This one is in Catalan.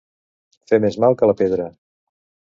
Fer més mal que la pedra.